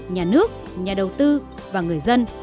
nhà nước nhà đầu tư và người dân